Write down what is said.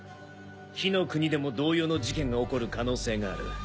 火の国でも同様の事件が起こる可能性がある。